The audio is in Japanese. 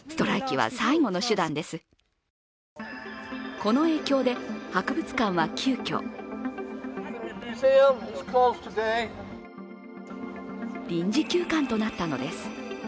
この影響で、博物館は急きょ臨時休館となったのです。